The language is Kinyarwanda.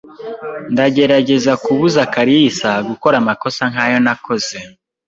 Ndagerageza kubuza kalisa gukora amakosa nkayo nakoze.